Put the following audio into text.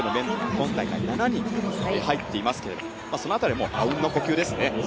今大会７人入っていますけどその辺りはもうあうんの呼吸ですね。